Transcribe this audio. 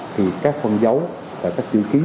thì các phần giấu và các chữ ký